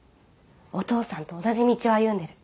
お父さんと同じ道を歩んでる。